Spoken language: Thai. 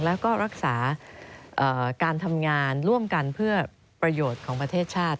แล้วก็รักษาการทำงานร่วมกันเพื่อประโยชน์ของประเทศชาติ